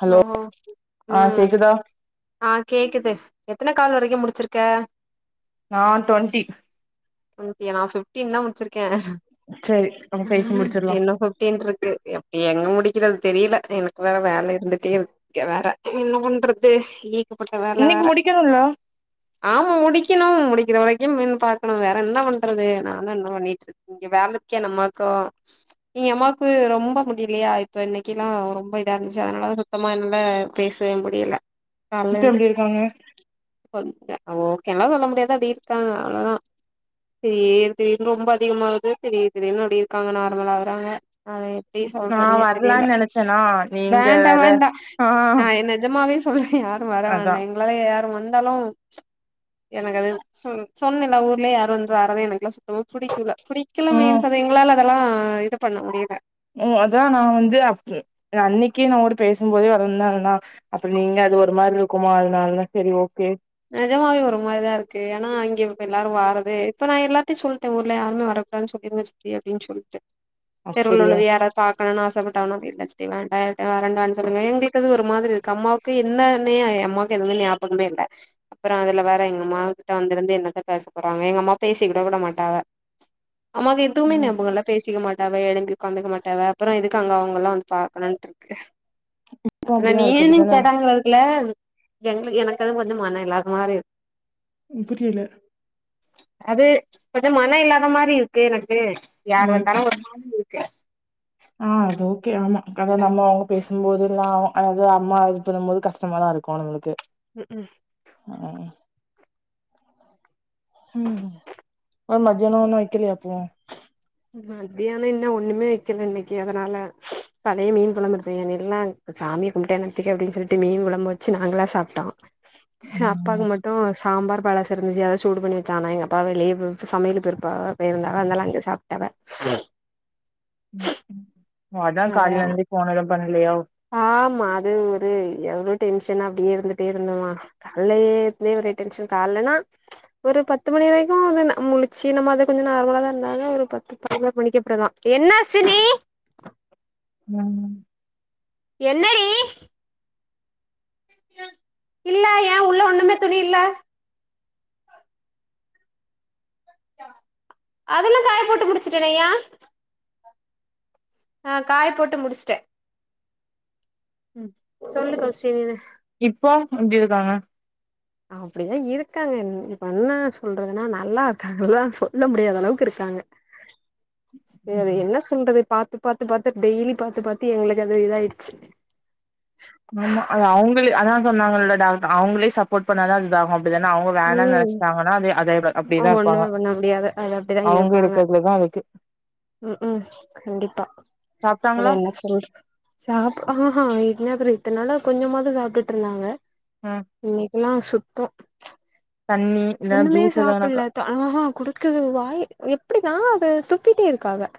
Hello நாமோ ஆ ம் கேக்குதா ஆ கேக்குது எத்தன கால் வரைக்கு முடிச்சிருக்க நா டுவெண்ட்டி டுவெண்ட்டியா நா ஃபிப்ஃடின் தா முடிச்சிருக்கே சரி நம்ம பேசி முடிச்சிடலா இன்னு ஃபிஃப்டீன்ட்ருக்கு எங்க முடிக்கிறது தெரியில எனக்கு வேற வேல இருக்கே வேற என்ன பண்றது ஏகப்பட்ட வேல இன்னைக்கு வேற முடிக்கணும்ல ஆமா முடிக்கணு முடிக்கிற வரைக்கு மீன் பாக்கணு வேற என்ன பண்றது நா தா இன்னு பண்ணிட்ருக் இங்க வேலைக்கு நமக்கு எங்க அம்மாக்கு ரொம்ப முடியலையா இப்ப இன்னைக்கிலா ரொம்ப இதா இருந்துச்சு அதனாலா சுத்தமா என்னால பேசவே முடியல இப்ப கால்லர்ந்து எப்டி இருக்காங்க கொஞ்சோ அ ஓகேலா சொல்ல முடியாது அப்டி இருக்காங்க அவ்ளதா திடீர் திடீர்னு ரொம்ப அதிகமாகுது திடீர் திடீர்னு அப்டி இருக்காங்க நார்மலகறாங்க அத எப்டி நா சொல்றதுன்னே தெரில வரலான்னு நெனைச்சேனா பேன் நீங்க வேண்டா வேற வேண்டா ஆ நா என் நெஜமாவே சொல்றே யாரும் வர அதா வேண்டா எங்களால யாரும் வந்தாலும் எனக்கு அது சொன் சொன்னல்ல ஊர்லயே யாரு வந்து வர்றதே எனக்குல்லாம் சுத் தமா புடிக்குல புடிக்கல ம் மீன்ஸ் அது எங்களால அதெல்லா இது பண்ண முடியல ம் அதா நா வந்து அப் அன்னைக்கே நா உன்கூட பேசும்போதே வளந்தாங்கன்னா அப்ப நீங்க அது ஒரு மாதிரி இருக்குமா அதனாலதா சரி ஓகே நெஜமாவே ஒரு மாரிதா இருக்கு ஏனா இங்க இப்ப எல்லாரும் வாறதே இப்ப நா எல்லார்ட்டையும் சொல்லிட்டே ஊர்ல யாருமே வர கூடாதுன் சொல்லிருங்க சித்தி அப்டின்னு சொல்லிட்டு தெருவுல அப்படியா உள்ளவ யாராவது பாக்கணுனுனு ஆசப்பட்டா வேணா அங்க இல்ல சித்தி வேண்டாம் வர வேண்டாம்னு சொல்லுங்க எங்களுக்கு இது ஒரு மாரி இருக்கு அம்மாவுக் அடுத்து என்னானே என் அம்மாக்கு எதுமே ஞாபகமே இல்ல அப்றோ அதுல வேற எங்கம்மா கிட்ட வந்திருந்து என்னத்த பேச போறாங்க எங்க அம்மா பேசிக்க கூட மாட்டாங்க ஆம்மாக்கு எதுமே ம் நியாபகம் இல்ல பேசிக்க மாட்டாவ எழும்பி உட்காந்துக்க மாட்டாவ அப்றோ எதுக்கு அங்க அவங்கல்லா வந்து பாக்கணுன்னு இருக்கு இப்ப ஆனா அப்படிதா இருக்கு நீம் அப்படித்தான கேட்டாங்கதுக்குல எங்களுக்கு எனக்கு அதுவும் கொஞ்ச மன இல்லாத மாரி புரியல அது கொஞ்சம் மனம் இல்லாத மாரி இருக்கு எனக்கு யார் ம் வந்தாலும் ஒரு மாதிரி இருக்கு ஆ அது ஓகே ஆமா அது ம் நம்ம பேசும்போதல்லா அதாவது அம்மா இது பண்ணும் போது கஷ்டமாதா இருக்கும் நம்மளுக்கு ம் ம் ம் ம் ஒரு மதியானோ ஒண்ணு வைக்கலயா அப்போ மத்தியானோ இன்ன ஒண்ணுமே வைக்கல இன்னைக்கு அதனால பழைய மீன் கொழம்பு இருக்குன் சொன்னேல்ல சாமிய கும்பிட்டு நத்தெரியாது அப்டின்னு சொல்லிட்டு மீன் கொழம்பு வச்சு நாங்களா சாப்ட்டோ ச ம் அப்பாவுக்கு மட்டும் மும் சாம்பார் பழசு இருஞ்ச்சு அத சூடு பண்ணி வச்ச ஆனா எங்கப்பாவ வெளிய சமயல் போயிருப் போயிருந்தா சோ அந்தாள அங்க சாப்ட்டாவ ம் ம் ஓ அதா அத கால்ல இருந்து போன் எதும் பண்ணலயோ ஆமா அது ஒரு எவ்வளோ டென்ஷனா அப்டியே இருந்துட்டே இருந்தமா கால்லயே ஒரே டென்ஷன் கால்லன்னா ஒரு பத்து மணி வரைக்கும் முழச்சு நம்ம அத கொஞ்ச நார்மலா தா இருந்தாங்க ஒரு பத்து பதினோர் மணிக்கப்றோந்தா ம் என்னடி இல்ல ஏ உள்ள ஒண்ணுமே துணி இல்ல அதெல்லா காய போட்டு முடிச்சுட்டனே ஏ ஆ காய போட்டு முடிச்சட்டே ம் சொல்லு கௌஷி நீனு இப்ப எப்டி இருக்காங்க அப்டிதா இருக்காங்க இப்ப என்ன சொல்றதுன்னா நல்லா இருக்காங்கல்லா சொல்ல முடியாத அளவுக்கு இருக்காங்க சரி என்ன சொல்றது பாத்து பாத்து பாத்து டெய்லி பாத்து பாத்து எங்களுக்கு அது இதாயிடுச்சு ஆமா அவங்களே அதா சொன்னாங்கல்ல டாக்டர் அவங்களே சப்போர்ட் பண்ணாதா அது இதாகும் அப்டிதான அவங்க வேணானு ம் நெனைச்சிட்டாங்கன்னா அத அத அப்டியேதா இருப்பாங்க ஒண்ணுமே பண்ண முடியாது அது அப்படிதான் அவங்க இருப்பாங்க எடுக்கிறதுல தா அது ம் ம் கண்டிப்பா இத சாப்ட்டாங்களா என்ன சொல்றது சாப்ப ஆ ஹ இல்ல பிர இத்தன் நாளா கொஞ்சமாது சாப்ட்டுட்டு இருந்தாங்க ம் இன்னைக்கெல்லா சுத்தோ ச் தண்ணி இல்ல ஒண்ணுமே ஜூஸ் எதானாக்கா சாப்பிடலாதா ஆஹ குடுக்கது வாய் எப்டிதா அது துப்பிட்டே இருக்கா அவ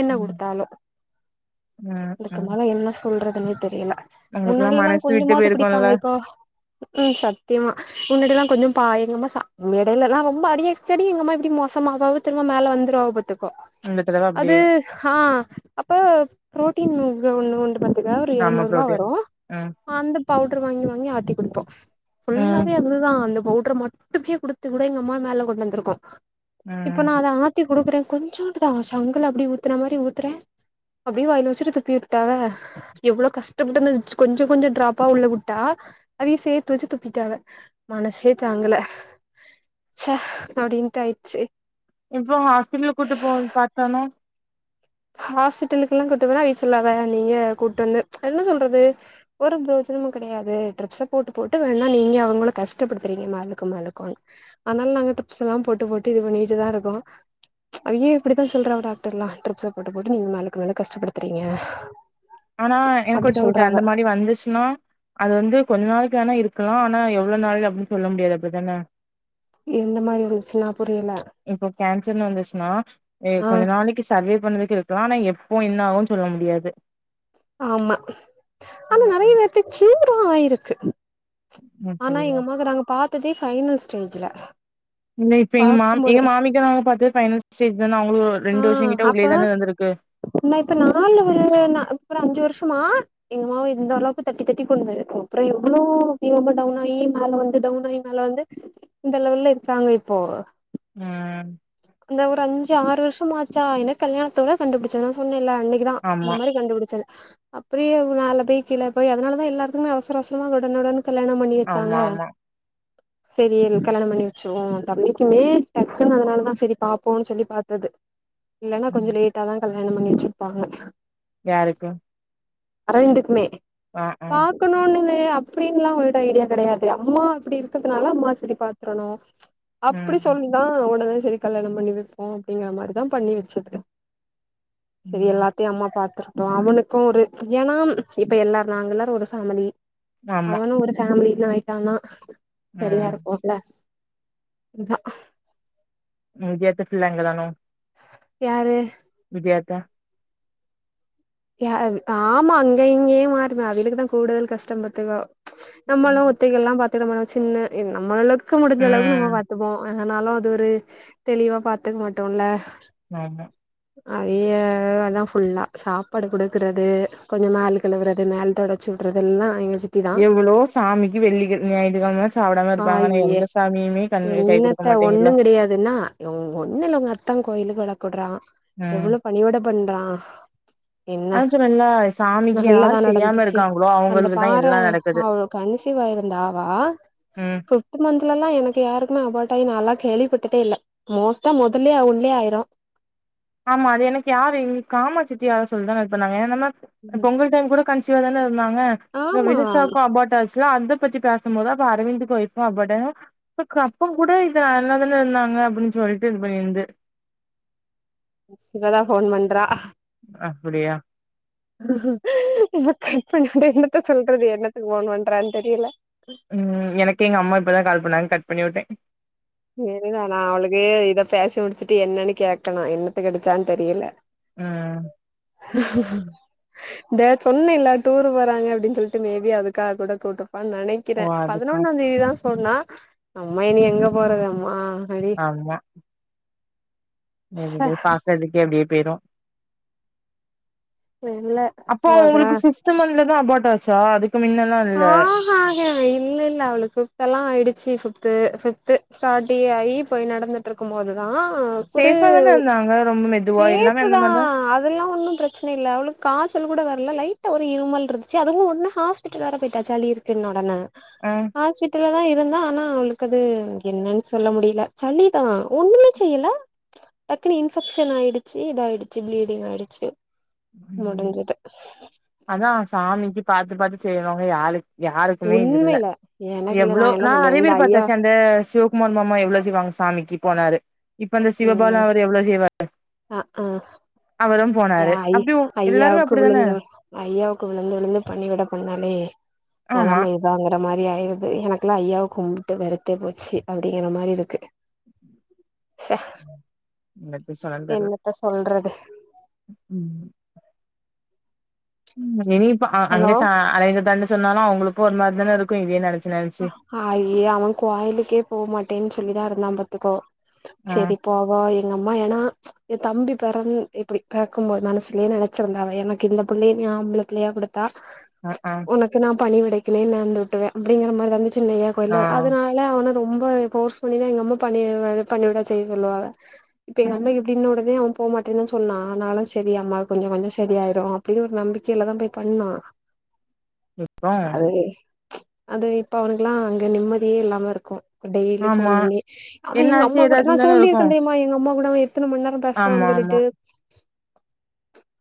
என்ன ம் கொடுத்தாலு ம் அதுக்கு ம் மேல என்ன சொல்றதுன்னே தெரியல உங்களுக்குல்லா முன்னாடியெல்லா மனசு விட்டு கொஞ்சமாவது போயிருக்குல்ல குடிப்பாங்க இப்போ ம் சத்தியமா முன்னாடில்லா கொஞ்சோ பா எங்கம்மா எடையிலல்லா ரொம்ப அடிக்அடி எங்கம்மா இப்டி மோசமாவது திரும்ப மேல வந்திரு வாக பாத்துக்கோ ச் இந்த தடவ அது அப்டியே ஆ அப்ப புரோட்டீன் ஒண்ண ஒரு ஆமா எழுநூறு ரூபா புரோட்டீன் வரு ம் அந்த பவுடர் வாங்கி வாங்கி ஆத்தி கொடுப்போ ஃபுல்லா ம் அதுதா அந்த பவுடர மட்டுமே குடுத்து கூட எங்க அம்மா மேல கொண்டு வந்திருக்கோ இப்ப நா ம் அத ஆத்தி குடுக்குறே கொஞ்சோண்டு தா சங்குல அப்டியே ஊத்துற மாதிரி ஊத்துறே அப்படியே வாயில வச்சிட்டு துப்பி விட்டாக எவ்ளோ கஷ்டப்பட்டுந்த கொஞ்ச கொஞ்ச ட்ராப் ஆ உள்ள வுட்டா அதையு சேர்த்து வச்சு துப்பிட்டாவ மனசே தாங்கல ச அப்பாடிண்ட்டு ஆயிடுச்சு எப்ப ஹாஸ்பிட்டல்ல கூட்டு போவோனு பார்த்தோனா ஹாஸ்பிட்டலுக்கு எல்லா கூட்டுபோனா அவ சொல்லாவ [unintelligible] நீங்க கூட்டிட்டு என்ன சொல்றது ஒரு புரஜோனமு கெடையாது ட்ரிப்ஸ போட்டு போட்டு வேணுணா நீங்க அவங்கள கஷ்டப்படுத்துறீங்க மேலுக்கு மேலுக்குன்னு அதனால நாங்க டிரிப்ஸ் எல்லா போட்டு போட்டு இது பண்ணிட்டுதா இருக்கோ அங்கயு இப்டித்தா சொல்றா டாக்டர்லா ட்ரிப்ஸ் அ போட்டு போட்டு நீங்க நாலுக்கு நாள் கஷ்டப்படுத்துறீங்க ஆனா எனக்கு அப்டி ஒரு டவுட் அந்த சொல்றாவ மாதிரி வந்துச்சுன்னா அது வந்து கொஞ்ச நாளுக்கு ஆானா இருக்கலா ஆனா எவ்ளோ நாள் அப்டின்னு சொல்ல முடியாது அப்டிதானே எந்த மாரி வந்துச்சுன்னா புரியல ச் இப்போ கேன்சர்னு வந்துச்சுன்னா ஆ கொஞ்ச நாளைக்கு சர்வே பண்ணறதுக்கு இருக்கலா ஆனா எப்போ என்ன ஆகும்ன்னு சொல்ல முடியாது ஆமா ஆன ம் நெறைய பேத்துக்கு கியூரா ஆயிருக்கு ம். ஆனா சரியா எங்கமாக்கு நாங்க பா்த்ததே பஃபைனல் ஸ்டேஜ்ல இல்ல இப்ப எங்க மா எங்க பாக்கும்போதே மாமிக்க நாங்க பாத்து பைனல் ஸ்டேஜ் தான அவங்களு ஒரு ரெண்டு வருஷோ கிட்ட உள்ளேதானே இருந்திருக்கு என்ன இப்ப நாள் ஒரு நாலு ஒரு அஞ்சு வருஷமா எங்க அம்மா வ இந்த அளவுக்கு தட்டி தட்டி கொண்டு வந்திருக்கோ அப்றோ எவ்ளோ டவுனாயி மேல வந்து டவுனாயி மேல வந்து இந்த லெவல்ல இருக்காங்க இப்போ ம் அந்த ஒரு அஞ்சு ஆறு வருஷம் ஆச்சா எனக்கு கல்யாணத்தோட கண்டுபிடிச்சது நா சொன்னேல அன்னைக் தா இந்த ஆமா மாரி கண்டுபிடிச்சது அப்டியே மேல போய் கீழே போய் அதனால தா எல்லாருத்துக்குமே அவசர அவசரமா உடனு உடனே கல்யாணம் பண்ணி வச்சாங்க ஆமா ஆமா செரி கல்யாணம் பண்ணி வச்சுறுவோ தம்பிக்குமே டக்குன்னு அதனாலதா செரி பாப்போன்னு சொல்லி பார்த்தது இல்லன்னா கொஞ்சோ ம் லேட்டா தா கல்யானோ பண்ணி வச்சிருப்பாங்க யாருக்கு ரெண்டுக்குமே ஆ ஆ பாக்கணும்னு இல்லயே அப்டினு ஐடியா கிடையாது அம்மா இப்டி இருக்கிறதுனால அம்மா செரி பாத்துரணு ச் அப்டி ம் சொல்லி நா அவன தா செரி கல்யாணோ பண்ணி வைப்போ அப்டிங்க மாரிதா பண்ணி வச்சது செரி ம் எல்லாத்தையு அம்மா பாத்துரு அவனுக்கு ஒரு ச் ஏன்னா இப்ப எல்லாரு நாங்க எல்லாரு ஒரு ஃபேமலி ஆமா அவனு ஒரு ஃபேமிலின்னு ஆயிட்டானா சரியா ம் இருக்குல்ல இல்லங்ககுறானோ [unintelligible] யாரு விதியாத்தா யா ஆமா அங்க இங்கயே மாறம அவிலக்கு தா கூடுதல் கஷ்டம் பத்துக்கோ நம்மளும் ஒத்தைகள்லா பாத்துட்டு நம்மளும் சின்ன நம்மளவுக்கு முடிஞ்ச அளவுக்கு நம்ம ம் பாத்துப்போ வாங்னாலு அது ஒரு தெளிவா பாத்துக்க மாட்டோல நாந்தா அதையேதா ஃபுல்லா சா பாடு குடுக்கறது கொஞ்ச மேல் கழுவுறது மேல தொடச்சி விடுறதெல்லா எங்க வச்சி எவ்வளோ சாமிக்கு வெள்ளிக்கி ஞாயிதுக்கமாச் சாப்பிடாம ஆ இருப்பாங்கன்னா ஏ எந்த சாமியுமே கண் கை குடுக்க மாட்டேங்கல்லா தெரியாதுன்னா ங்க ஒண்ணுல்ல உங்க அத்தா கோயிலுக்கு வளக்குடுறா ம் எவ்வளோ பணவிட பண்றா என்ன அதா சொன்னேன்ல சாமிக்கு யார் நல்லதா செய்யாம நடந்துச்சு இருக்காங்களோ அந்த அவங்களுக்கு தா பாற எல்லா நடக்குது அவளோ கன்சிவா இருந்தாவா ம் பிப்த் மந்த்லலா எனக்கு யாருக்குமே அபாட் ஆகி நாளா கேள்விபட்டதேல்ல மோஸ்ட்டா மொதலே உள்ளேய ஆயிரு ஆமா அது எனக்கு யாரு காமா சிட்டி யாரு சொல்லிதா எனுப்பனாங்க ஏன்னமா பொங்கல் கூட கன்சிவா தான இருந்தாங்க இந்த ஆமா வினுசாவுக்கு அபாட் ஆச் இல்ல அந்த பத்தி பேச போதுதா இப்ப அரவிந்துக்கு ஒய்புக்கு அபாட் ஆய்ரு அதுக்கப்ப கூட இது நல்லாதான இருந்தாங்க அப்படின்னு சொல்லிட்டு இது மாரி இருந்து சுவதா ஃபோன் பண்றா அப்படியா இத கட் பண்ணி விடு என்னத்த சொல்றது என்னத்துக்கு ஃபோன் பண்றானு தெரியல உ எனக்கே எங்கம்மா இப்பதா கால் பண்ணாங்க கட் பண்ணி விட்டே என்னனா அவளுக்கு இத பேசி முடிச்சுட்டு என்னனு கேக்கணு என்னத்துக்கடிச்சான் தெரியல ம் இந்த சொன்னேல டூரு போறாங்க அப்டினு சொல்ட்டு மேபி அதுக்காக கூட கூப்டுப்பானு நெனக் ஓ க்கிறே அதுக்கா பதினொன்னா தேதி தா சொன்னா அம்மா இனி எங்க போறது அம்மா டி அம்மா ச, [unintelligible] பாக்குறதுக்கே அப்டியே போயிரு இல்ல அப்போ போகலா உங்களுக்கு பிஃப்த் மன்த்லதா அபாட் ஆச்சா அதுக்கு முன்னல்லா இல்ல ஆஹா இல்லல்ல அவளுக்கு ஃபிஃப்த்தெல்லா ஆய்டுச்சு ஃபிஃப்து ஃபிஃப்து ஸ்டாட்டே ஆயி போய் நடந்து ட்ருக்கும்போதுதா ஒரு சேஃபா தான இருந்தாங்க ரொம்ப மெதுவா எல்லாமே சேஃப்ஃபு அந்த தா மாரிதா அதல்லா ஒன்னு ப்ரச் ச்சன இல்ல அவளுக்கு காச்சல் கூட வரல லைட்டா ஒரு இருமல் இருந்துச்சு அதுவு ஒன்னு ஹாஸ் பிடல் வேற போயிட்டா சளி இருக்குன்ன ஒடன ஆ ஹாஸ்பிட்டல்ல தா இருந்தா ஆனா அவளுக்கு அது என்னனு சொல்ல முடில சளிதா ஒண்ணுமே செய்யல டக்குனு இன்பெக்ஷன் ஆயிடுச்சு இதாய்டுச்சு பிளீடிங் ஆயிடுச்சு ம் முடிஞ்சுது அதா சாமிக்கு பாத்து பாத்து செய்ரவங்க யாரு யாருக்குமே இல்ல உண்மையில எனக்கு இல்ல எவ்ளோ நா எல்லா சொல்லுவே நெறைய இந்த பேர ஐயா பாத்தாச்சு அந்த சிவ குமார் மாமா எவ்ளோ சிவாங்க சாமிக்கு போனாரு இப்ப அந்த சிவபாலா ம் அவரு எவ்ளோ செய்வாரு அ ஆ அவரும் போனாரு ஐ அப்டியு எல்லாருமே ஐயாவுக்கு அப்டித்தான விழுந்து ஐயாவுக்கு விழுந்து விழுந்து பணி வெட பண்ணாலே ஆமா நலமாய்ரு வாங்குற மாரி ஆய்ருது எனக்குலா ஐயாவ கும்ட்டு வெரத்தே போச்சு அப்டிங்ற மாரி இருக்கு ச்சே எப்டி சொன்னன் தெர்ல என்னத்த சொல்றது ம் ம் இனி இப்ப அ அங்க ஹலோ ச [unintelligible] தண்னு சொன்னாலு அவங்களுக்கு ஒரு மாரி தான இருக்கு இதேயே நெனச்சு நெனச்சு அய்ய அவே கோயலுக்கே போமாட்டேனு சொல்லி தா இருந்தா பாத்துக்கோ ஆ செரி போவா எங்க அம்மா ஏனா எ தம்பி பெறந் எப்டி பெறக்கும்போது மனசுலே நென வச்சிருந்தாவ எனக்கு இந்த புள்ளய நீ ஆம்பளப் புள்ளயா குடுத்தா ஆஹ்அ ஒனக்கு நா பணிவிடைக்குனே நேந்து விட்ருவே அப்டிங்ற மாரிதான சின்னய்யா ஆ கோயில்ல அதுனா லா அவன ரொம்ப ஃபோர்ஸ் பண்ணிதா எங்க அம்மா பணி பணிவெட செய்ய சொல்லுவாக இப்ப எங்கம்மாய்கு இப்டீன ஒடனே அவே போ மாட்டேனுதா சொன்னா ஆனாலு செரி அம்மா கொஞ்சோ கொஞ்சோ சரியாயிரு அப்டியு ஒரு நம்பிக்கைலதா போய் பண்ணா இப்போ அது அது இப்ப அவனுக்கலா அங்க நிம்மதியே இல்லாம இருக்கு டெய்லி ஃபோன் ஆமா பண்ணி அவே எங்க என்னாச்சு அம்மா கூட நா ஏதாச்சுன்னு தானே இருக்கு சொல்லிருக்கே தெர்மா எங்க அம்மா கூட அவே எத்தன மண்நேரோ ஆமா பெசுவாண்னு ஆமா சொல்லிட்டு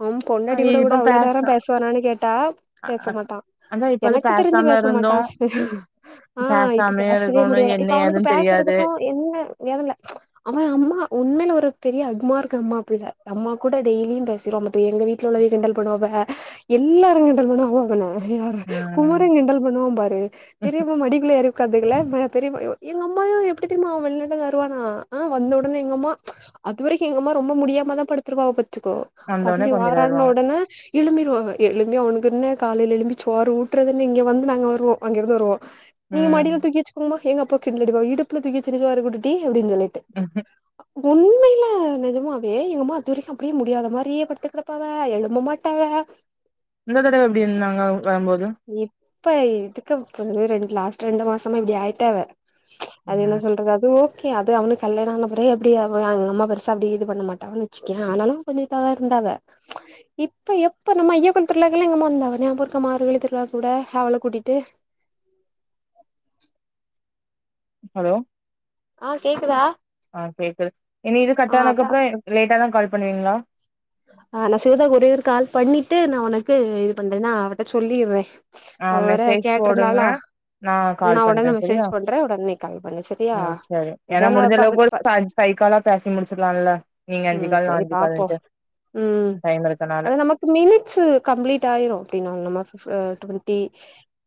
அவம் அ பொண்டாட்டிகூட கூட இப்ப அவ்ளோ பேச நேரோ பேசுவானானு கேட்டா பேசமாட்டா அதா இப்ப அது எனக்குத் தெரிஞ்சு பேசாம பேச இருந்தோ மாட்டாஸ் ஆ இப்ப பேசாமயே பேசவே இருக்கோணு முடியாதா என்ன இப்ப அவனுக்கு ஏதுன்னு தெரியாது பேசுறதுக்கு என்ன எதுல அவே அம்மா உண்மேல ஒரு பெரிய அக்மார்க் அம்மா பிள்ள அம்மா கூட டெய்லியு பேசிருவா பாத்துக்க எங்க வீட் வீட்ல உள்ளவிக கிண்டல் பண்ணுவாக எல்லாரு கிண்டல் பண்ணுவாக அவன யார ம் குமரே கிண்டல் பண்ணுவா பாரு பெரியப்பா மடிக்குல்ல ஏரி உக்காந்துகள மேல பெரியப்பா எ எங்க அம்மாயோ எப்டி தெரியுமா அவே வெள்நாட்லருந்து வருவானா ஆ வந்த ஒடனே எங்க அம்மா அது வரைக்கு எங்கம்மா ரொம்ப முடியாம தா படுத்துருவாவோ பாத்துக்கோ வந்தோனே தம்பி வாரான கொஞ்சிறாருவாங்க ஒடனே எலும்பிருவாவோ எலும்பி அவனுக்குன்னே காலையையில எலும்பி சோறு ஊட்டுறதேன்ன இங்க வந்து நாங்க வருவோ அங்கிருந்து வருவோ நீங்க ம் மடியில தூக்கி வெச்சு உங்கமா எங்கப்பா கிண்டலாடிப்பா இடுப்புல தூக்கி வெச்சாரு [unintelligible] அப்டின்னு சொல்லிட்டு ம் கு உண்மையில நெஜமாவே எங்கமா அது வரைக்கு அப்டியே முடியாத மாரியே படுத்துக் கிட ப்பாவ எழும்பமாட்டாவ இந்தந்த தடவை எப்டி இருந்தாங்க வரம்போது இப்ப இதுக்கு ரண்டு லாஸ்ட் ரெண்டு மாசமா இப்டி ஆயிட்டாவ அது என்ன ம் சொல்றது அதுவு ஓகே அது அவனு கல்யாண ஆனாபிறவு எப்டி அவ எங்க அம்மா பெருசா அப்டி இது பண்ண மாட்டான்னு வச்சுக்கியே ஆனாலு கொஞ்சோ இதவா இருந்தாவ இப்ப எப்ப நம்ம ஐயப்பன் திருவிழாக்கெல்லா எங்கமா வந்தாவ ஞாபக இருக்கா மார்கழி திரு விழா கூட அவள கூட்டிட்டு ஹலோ ஆ கேக்குதா ஆ கேக்குது இனி இது ஆ கட் ஆனதுக்கு அதா அப்புறோ லேட்டா தா கால் பண்ணுவீங்களா ஆ நா சிவதா ஒரே ஒரு கால் பண்ணிட்டு நா உனக்கு இது பண்றேன்ன அவிட்ட சொல்லிறே ஆ அவ வேற மெசேஜ் போடுங்க கேட்டிருந்தாளா நா கால் உடனே பண்றே சரியா மெசேஜ் பண்றே உடனே கால் பண்ணு சரியா இதானா பா பா பை காலா பேசி முடிச்சிடலால்ல நீங்க அஞ்சு ம் கால் நா சரி அஞ்சு பாப்போ காலட்டு ம் அதன நமக்கு மினிட்ஸ்ஸு கம்ப்ளீட் ஆயிரு அப்டின்னா நம்ம பிப்ப டுவெண்டி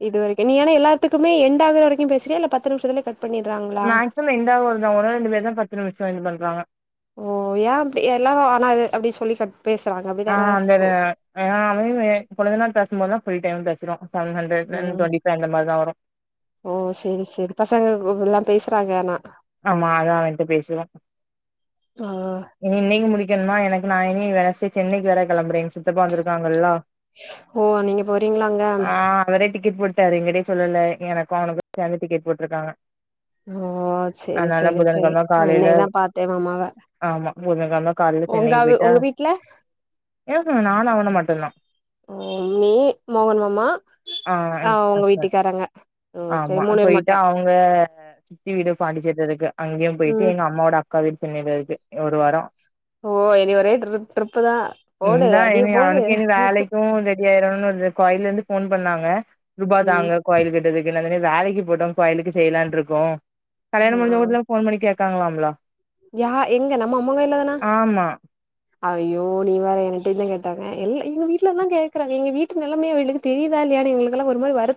இது வரைக்கு நீ ஆனா எல்லாத்துக்குமே எண்ட்டாகற வரைக்கு பேசுறிய இல்ல பத்து நிமிஷத்துலே கட் பண்ணிடுறாங்ளா இல்ல எண்டாகற வர தா ஒராள் ரெண்டு பேரு தா பத்து நிம்ஷோ வந்து பண்றாங்க ஓ ஏ அப்டி எல்லாரு ஆனா அப்டி சொல்லி கட் பேசுறாங்க அப்டிதான அ அவுங்களுமே கொழுந்தனார் பேசம்போத் தா ஃபுல் டைம் பேசறோ செவென் ஹன்ட்ரேட் வென் ம் டுவெண்டி ஃபை அந்த மாரி தா வரு ஓ சேரி சேரி பசங்கோ எல்லா பேசுறாங்க ஆனா ஆமா அதா அவன்ட்ட பேசுவோ ஆ இன்னைக்கு முடிக்கணுமா எனக்கு நா இனி வெனஸ்டே சென்னைக்கு வேற கெளம்றே எங்க சித்தப்பா வந்திருக்காங்கல்ல ஓ நீங்க போறீங்ளா அங்க ஆ அவரே டிக்கெட் போட்டாரு எங்கிடே சொல்லல எனக்கு அவனுக்கு சேந்து டிக்கெட் போட்ருக்காங்க ஓ சேரி அதனால சேரி சேரி புதன்கெழம நா காலையில இன்னைக்குதா பாத்தே மாமாவ ஆமா புதங்கெழம கால்ல உங்க சென்னைக்கு அவு போயிட்டா உங்க வீட்ல ம் ம் நானு அவனு மட்டுந்தா ஓ நீ மோகன் மாமா ஆ எ உங்க ஹஸ்பண்ட் வீட்டுக்காரங்க ம் ஆமா செரி மூணு பேர் போயிட்டு மட்டு அவுங்க சித்தி வீடு பாண்டிச்சேரில இருக்கு அங்கையு போய்ட்டு ம் எங்க அம்மாவோட அக்கா வீடு சென்னில இருக்கு ஒரு வாரோ ஓ இனி ஒரே ட்ரிப் ட்ரிப்பு தா போடு அடிய போடு வேறொன்னு இல்ல கோயில்ருந்து ஃபோன் பண்ணாங்க ரூபா ம் தாங்க கோயிலு கட்டறதுக்குனு நா சொன்ன வேலைக்கு போட்டு கோயிலுக்கு செய்லான்ட்ருக்கோ ஆ கல்யாணம் முடிஞ்ச ஊட்ல ஃபோன் பண்ணி கேக்றாங்கலாமில்ல யா எங்க நம்ம அம்மங் கோய்லதான ஆமா ஐயோ நீ வேற எங்ட்டைந்தா கேட்டாங்க எல் ஐயோ வீட்ல எல்லா கேக்குறாங்க எங்க வீட்டு நிலமைய எழுதி தெரிதா இல்லையானு எங்களுக்கெல்லா ஒரு மாரி வரு